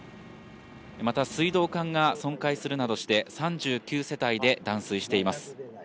また水道管が損壊するなどして３９世帯で断水しています。